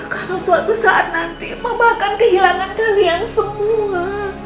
kalau suatu saat nanti mama akan kehilangan kalian semua